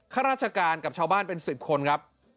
ข้าราชการกับชาวบ้านเป็น๑๐คนครับ